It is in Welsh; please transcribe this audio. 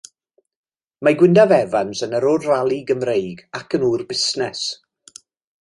Mae Gwyndaf Evans yn yrrwr rali Gymreig ac yn ŵr busnes.